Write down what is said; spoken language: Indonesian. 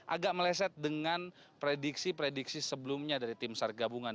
agak meleset dengan prediksi prediksi sebelumnya dari tim sar gabungan